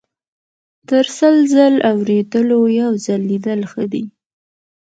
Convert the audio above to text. - تر سل ځل اوریدلو یو ځل لیدل ښه دي.